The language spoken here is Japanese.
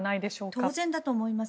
当然だと思います。